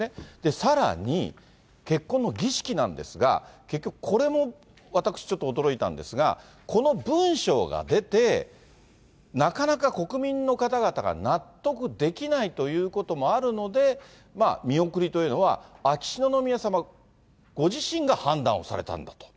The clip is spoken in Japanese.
さらに、結婚の儀式なんですが、結局、これも私、ちょっと驚いたんですが、この文書が出て、なかなか国民の方々が納得できないということもあるので、見送りというのは、秋篠宮さまご自身が判断されたんだと。